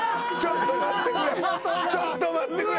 ちょっと待ってくれ！